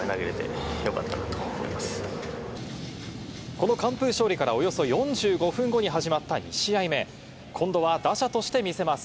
この完封勝利からおよそ４５分後に始まった２試合目、今度は打者として見せます。